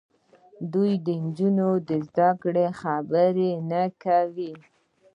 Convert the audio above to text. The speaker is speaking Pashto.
دوی د نجونو د زدهکړو خبره نه کوي.